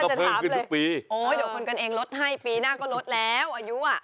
ก็ก็เพิ่มขึ้นทุกปีโอ้โฮเดี๋ยวคนกันเองลดให้ปีหน้าก็ลดแล้วอายุอ่ะ